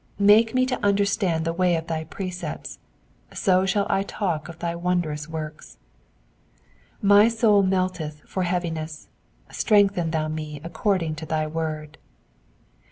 27 Make me to understand the way of thy precepts : so shall I talk of thy wondrous works. 28 My soul melteth for heaviness : strengthen thou me according unto thy word.